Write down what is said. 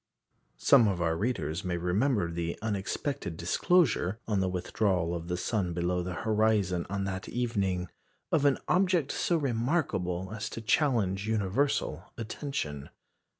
Some of our readers may remember the unexpected disclosure, on the withdrawal of the sun below the horizon on that evening, of an object so remarkable as to challenge universal attention.